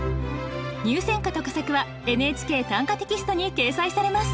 入選歌と佳作は「ＮＨＫ短歌」テキストに掲載されます。